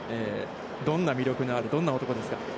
どんな魅力のある、どんな男ですか。